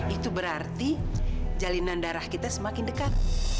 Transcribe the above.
itu berarti jalinan darah kita semakin dekat